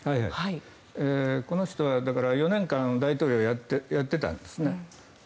この人は４年間大統領をやっていたんですね。